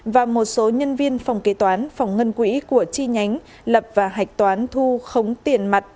và một số nhân viên phòng kế toán phòng ngân quỹ của chi nhánh lập và hạch toán thu khống tiền mặt